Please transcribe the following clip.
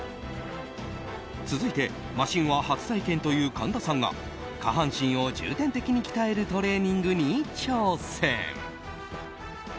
続いて、マシンは初体験という神田さんが下半身を重点的に鍛えるトレーニングに挑戦。